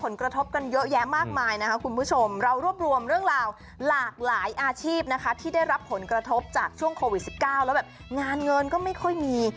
แล้วแบบงานเงินก็ไม่ค่อยมี